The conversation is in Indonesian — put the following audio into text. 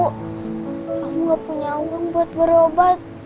aku gak punya uang buat berobat